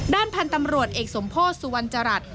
ด้านพันธุ์ตำรวจเอกสมโพธิสุวรรณจรัส